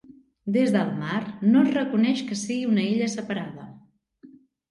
Des del mar, no es reconeix que sigui una illa separada.